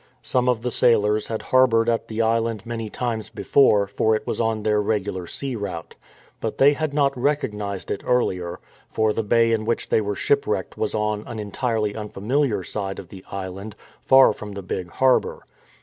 Some of the sailors had harboured at the island many times before, for it was on their regular sea route. But they had not recognized it earlier, for the bay in which they were shipwrecked was on an entirely unfamiliar side of the island, far from the big harbour.